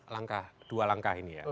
langkah dua langkah ini ya